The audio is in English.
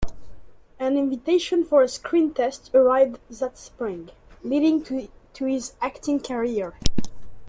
An invitation for a screen test arrived that spring, leading to his acting career.